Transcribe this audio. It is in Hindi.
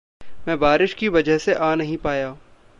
मैं बारिश की वजह से आ नहीं पाया।